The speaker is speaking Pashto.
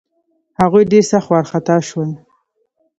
هغوی ډېر سخت وارخطا شول.